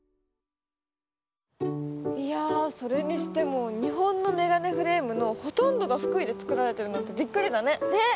いやぁそれにしてもにほんのめがねフレームのほとんどが福井でつくられてるなんてびっくりだね。